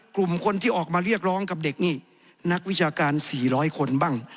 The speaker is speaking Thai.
กลุ่มคนที่ออกมาเรียกร้องกับเด็กนี่นักวิชาการ๔๐๐คนบ้าง